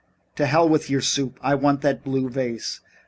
"To hell with your soup. I want that blue vase."